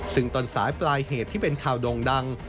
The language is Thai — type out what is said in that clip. ซึ่งตอนสายปลายเหตุที่เป็นข่าวโด่งดัง